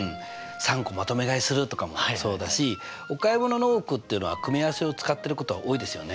３個まとめ買いするとかもそうだしお買い物の多くっていうのは組合せを使ってることが多いですよね。